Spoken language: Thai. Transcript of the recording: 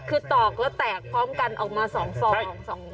คือตอกแล้วแตกพร้อมกันออกมา๒ฟอง